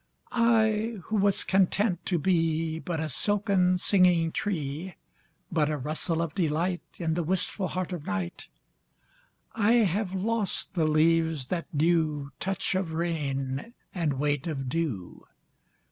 I who was content to beBut a silken singing tree, But a rustle of delightIn the wistful heart of night,I have lost the leaves that knewTouch of rain and weight of dew.